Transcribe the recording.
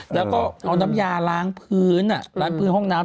แล้วก็เอาน้ำยาล้างพื้นล้างพื้นห้องน้ำ